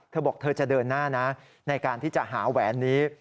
เธอบอกเธอจะเดินหน้านะในการที่จะหาแหวนนี้